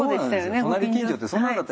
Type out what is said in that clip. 隣近所ってそんなんだった。